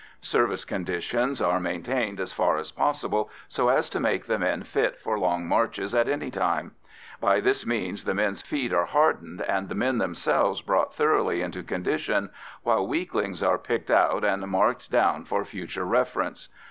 Service conditions are maintained as far as possible, so as to make the men fit for long marches at any time; by this means the men's feet are hardened and the men themselves brought thoroughly into condition, while weaklings are picked out and marked down for future reference.